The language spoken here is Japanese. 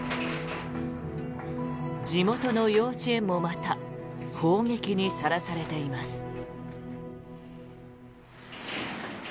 地元の幼稚園もまた砲撃にさらされています。